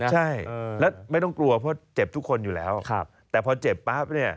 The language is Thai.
ใช่แล้วไม่ต้องกลัวเพราะเจ็บทุกคนอยู่แล้วแต่พอเจ็บปั๊บเนี่ย